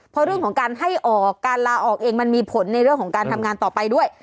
เพราะเรื่องของการให้ออกการลาออกเองมันมีผลในเรื่องของการทำงานต่อไปด้วย